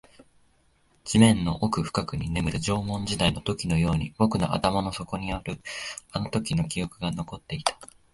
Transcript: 地面の奥深くに眠る縄文時代の土器のように、僕の頭の底にもあのときの記憶が残っていた